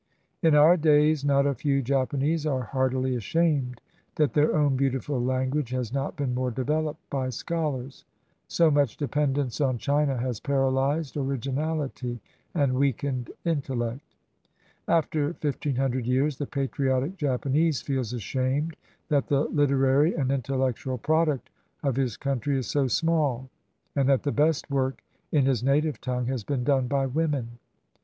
In our days not a few Japanese are heartily ashamed that their own beautiful language has not been more developed by scholars. So much dependence on China has paralyzed originality and weakened intellect. After fifteen hundred years, the patriotic Japanese feels ashamed that the literary and intellectual product of his country is so small, and that the best work in his native tongue has been done by women.